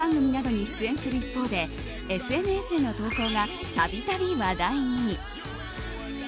バラエティー番組などに出演する一方でＳＮＳへの投稿が度々話題に。